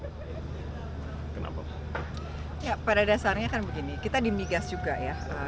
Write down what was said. ya pada dasarnya kan begini kita di migas juga ya